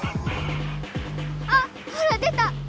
あっほら出た！